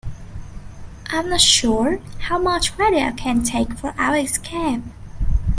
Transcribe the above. I'm not sure how much credit I can take for our escape.